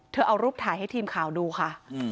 เอารูปถ่ายให้ทีมข่าวดูค่ะ